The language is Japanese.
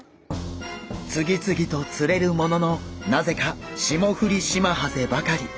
次々と釣れるもののなぜかシモフリシマハゼばかり。